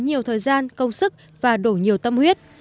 nhiều thời gian công sức và đổ nhiệm vụ